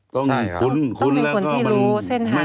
ต้องคุ้นเท่านั้น